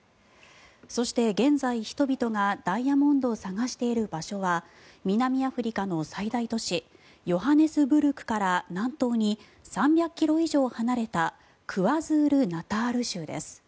そして現在、人々がダイヤモンドを探している場所は南アフリカの最大都市ヨハネスブルクから南東に３００ｋｍ以上離れたクワズール・ナタール州です。